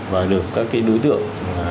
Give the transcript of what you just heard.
và được các cái đối tượng